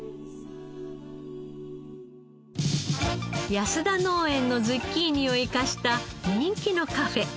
やすだ農園のズッキーニを生かした人気のカフェ。